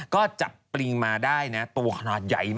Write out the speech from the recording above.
ก็จับปริงมาได้นะ